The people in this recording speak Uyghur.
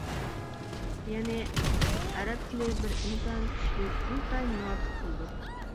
يەنى، ئەرەب تىلى بىر ئىنتايىن كۈچلۈك، ئىنتايىن ناتىق تىلدۇر.